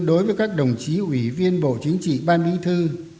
đối với các đồng chí ủy viên bộ chính trị ban bí thư